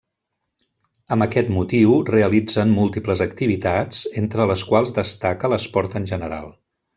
Amb aquest motiu realitzen múltiples activitats, entre les quals destaca l'esport en general.